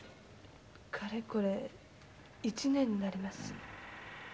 かれこれ１年になります。